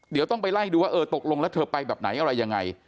เดี๋ยวต้องไปไล่ดูว่าเออตกลงแล้วเธอไปแบบไหนอะไรยังไง